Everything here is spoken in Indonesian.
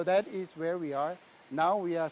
jadi itu adalah tempat kami berada di